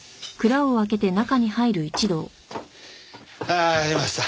ああありました。